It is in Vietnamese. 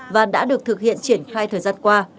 và đã được thực hiện triển khai thời gian qua